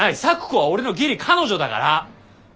咲子は俺のギリ彼女だから！